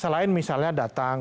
selain misalnya datang